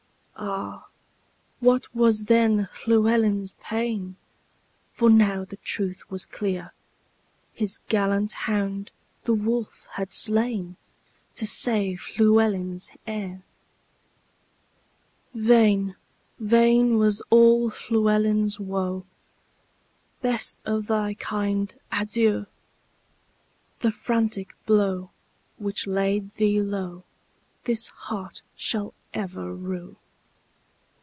Ah, what was then Llewelyn's pain! For now the truth was clear; His gallant hound the wolf had slainTo save Llewelyn's heir:Vain, vain was all Llewelyn's woe;"Best of thy kind, adieu! The frantic blow which laid thee lowThis heart shall ever rue."